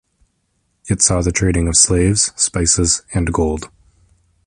It saw the trading of slaves, spices, and gold.